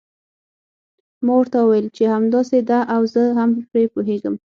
ما ورته وویل چې همداسې ده او زه هم پرې پوهیږم.